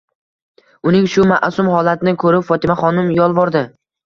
Uning shu mas'um holatini ko'rib Fotimaxonim yolvordi.